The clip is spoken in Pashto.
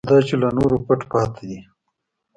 دا چې له نورو پټ پاتې دی.